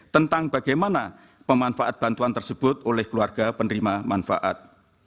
tentang bagaimana pemanfaat bantuan tersebut oleh keluarga penerima manfaat